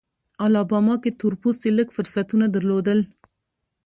الاباما کې تور پوستي لږ فرصتونه درلودل.